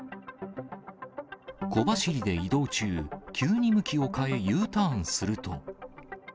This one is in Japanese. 小走りで移動中、急に向きを変え、Ｕターンすると。